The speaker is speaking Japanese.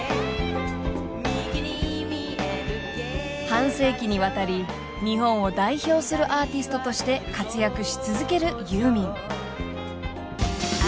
［半世紀にわたり日本を代表するアーティストとして活躍し続けるユーミン］